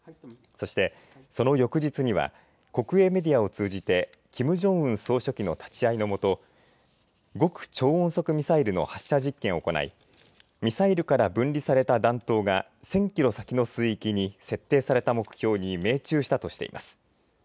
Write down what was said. そして、その翌日には国営メディアを通じてキム・ジョンウン総書記の立ち会いの下、極超音速ミサイルの発射実験を行いミサイルから分離された弾頭が１０００キロ先の水域に設定された目標に命中したとしています。